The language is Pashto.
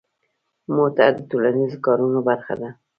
موټر د ټولنیزو کارونو برخه ده.